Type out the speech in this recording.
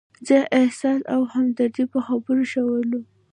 زه، احسان او همدرد په خبرو شولو.